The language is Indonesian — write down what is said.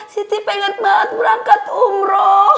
siti pengen banget berangkat umroh